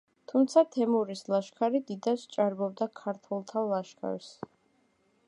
თუმცა თემურის ლაშქარი დიდად სჭარბობდა ქართველთა ლაშქარს.